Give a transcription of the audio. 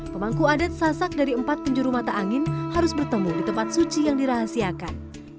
pemangku adat sasak dari empat penjuru mata angin harus bertemu di tempat suci yang dirahasiakan